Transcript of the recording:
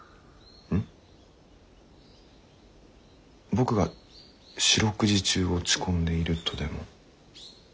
僕が四六時中落ち込んでいるとでも？